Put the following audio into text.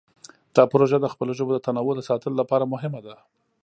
دا پروژه د خپلو ژبو د تنوع د ساتلو لپاره مهمه ده.